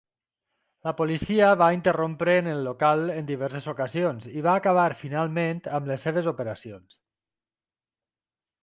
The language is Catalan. La policia va interrompre en el local en diverses ocasions i va acabar finalment amb les seves operacions.